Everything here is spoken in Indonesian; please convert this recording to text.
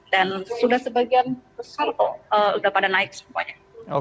dan sudah sebagian besar sudah pada naik semuanya